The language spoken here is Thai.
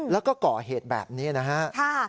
แล้วก็ก่อเหตุแบบนี้นะฮะ